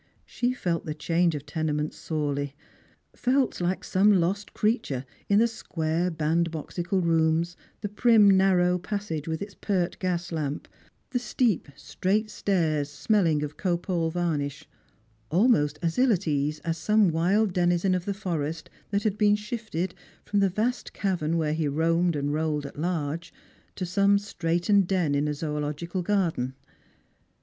She felt the change of tenement sorely, felt like some lost creature in the squara bandboxical rooms, the prim narrow passage with its pert gas lamp, the steep straight stairs smelling of copal varnish ; almost as ill at ease as some wild denizen of the forest that had been shifted, from the vast cavern where he roamed and rolled at large, to some straitened den in a zoological garden.